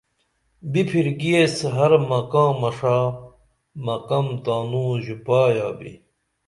بِپھرکی ایس ہر مقامہ ݜا مقام تانوں ژُپایا بی